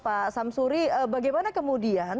pak samsuri bagaimana kemudian